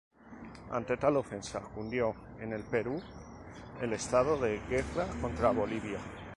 Ante tal ofensa, cundió en el Perú el estado de guerra contra Bolivia.